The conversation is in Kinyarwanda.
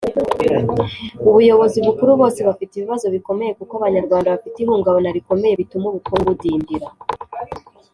ubuyobozi bukuru bose bafite ibibazo bikomeye kuko abanyarwanda bafite ihungabana rikomeye bituma ubukungu budindira.